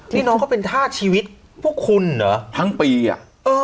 นี่น้องเขาเป็นธาตุชีวิตพวกคุณเหรอทั้งปีอ่ะเออ